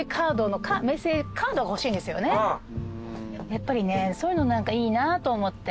やっぱりねそういうの何かいいなと思って。